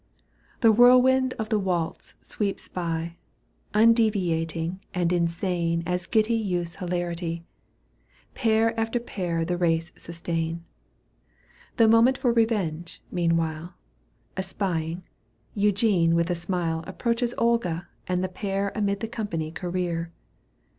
The whirlwind of the waltz sweeps by, TJndeviating and insane As giddy youth's hilarity — Pair after pair the race sustain, ^ The moment for revenge, meanwhile, ^ Espying, Eugene with a snule Approaches Olga and the pair Amid the company career.